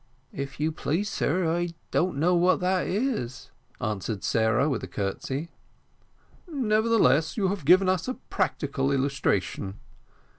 "If you please, sir, I don't know what that is," answered Sarah, with a curtsey. "Nevertheless you have given us a practical illustration.